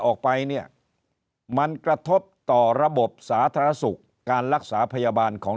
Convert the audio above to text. ออกไปเนี่ยมันกระทบต่อระบบสาธารณสุขการรักษาพยาบาลของ